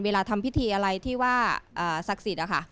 เวลาทำพิธีอะไรที่ว่าศักดิ์สิทธิ์